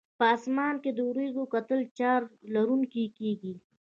په اسمان کې د وریځو کتلې چارج لرونکي کیږي.